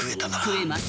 食えます。